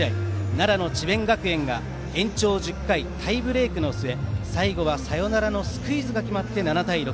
奈良の智弁学園が延長１０回タイブレークの末最後は、サヨナラのスクイズが決まって７対６。